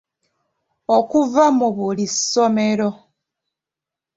Okuva mu buli ssomero.